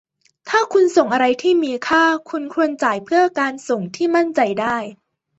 ถ้าคุณส่งอะไรที่มีค่า คุณควรจ่ายเพื่อการส่งที่มั่นใจได้